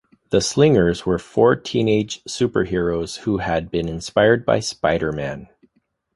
The Slingers were four teenage superheroes who had been inspired by Spider-Man.